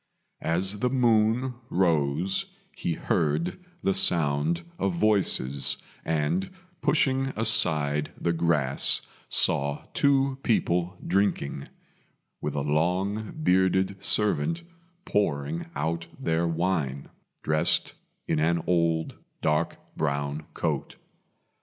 As the moon rose he heard the sound of voices, and, pushing aside the grass, saw two people drinking, with a long bearded servant pouring out their wine, dressed in an old dark brown coat.